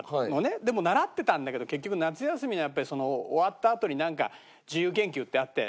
でも習ってたんだけど結局夏休みにやっぱり終わったあとになんか自由研究ってあって。